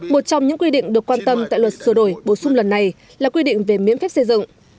một trong những quy định được quan tâm tại luật sửa đổi bổ sung lần này là quy định về miễn phép xây dựng